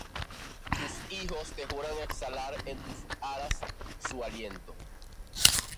Tus hijos te juran exhalar en tus aras su aliento,